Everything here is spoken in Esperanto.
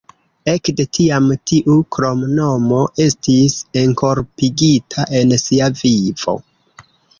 Ekde tiam tiu kromnomo estis enkorpigita en sia vivo.